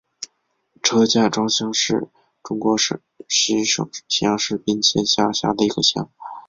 车家庄乡是中国陕西省咸阳市彬县下辖的一个乡。